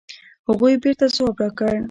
هغوی بېرته ځواب راکړ.